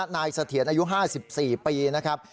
นายสเถียนอายุ๕๔ปีนะครับ